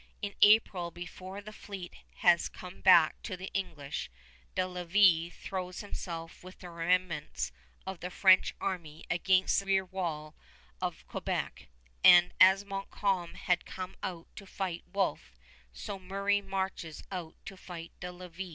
In April, before the fleet has come back to the English, De Lévis throws himself with the remnants of the French army against the rear wall of Quebec; and as Montcalm had come out to fight Wolfe, so Murray marches out to fight De Lévis.